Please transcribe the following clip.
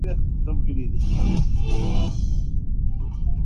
اس کا کوئی متبادل پیدا نہیں ہوا۔